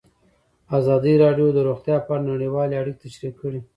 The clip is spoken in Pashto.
ازادي راډیو د روغتیا په اړه نړیوالې اړیکې تشریح کړي.